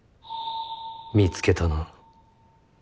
見つけたな。